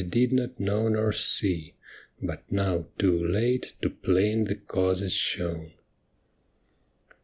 1 did not know nor see, But now, too late, too plain the cause is shown.